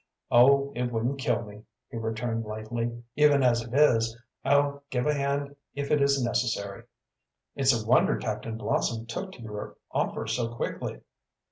"Oh, it wouldn't kill me," he returned lightly. "Even as it is, I'll give a hand if it is necessary." "It's a wonder Captain Blossom took to your offer so quickly."